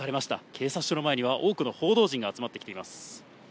警察署の前には多くの報道陣が集まってきています。